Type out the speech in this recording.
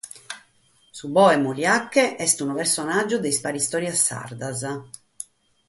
Su Boe muliache est unu personàgiu de sas paristòrias sardas.